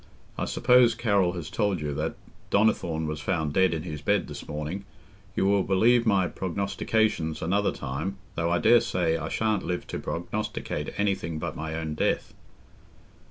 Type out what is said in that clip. I suppose Carroll has told you that Donnithorne was found dead in his bed this morning. You will believe my prognostications another time, though I daresay I shan't live to prognosticate anything but my own death."